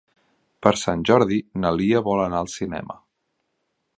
Per Sant Jordi na Lia vol anar al cinema.